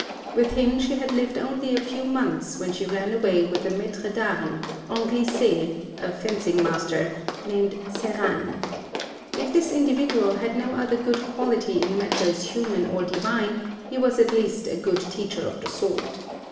With him she had lived only a few months when she ran away with a maitre d'armes (anglicè, a fencing master) named Serane. If this individual had no other good quality in matters human or divine, he was at least a good teacher of the sword.